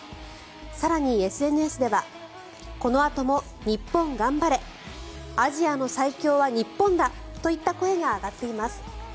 更にＳＮＳではこのあとも日本頑張れアジアの最強は日本だ！といった声が上がっています。